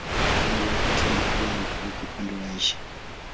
Eneo lake ni sehemu kubwa ya Uturuki upande wa Asia.